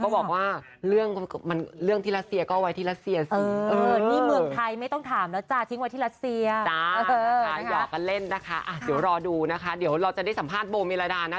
ก็บอกว่าเรื่องที่รัสเซียก็เอาไว้ที่รัสเซียสิ